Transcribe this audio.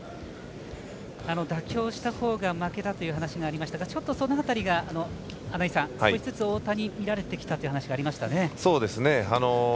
妥協したほうが負けだという話がありましたがちょっとその辺りが少しずつ太田に見られてきたという話がありましたね。